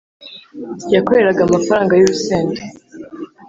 yakoreraga amafaranga yurusenda